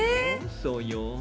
そうよ。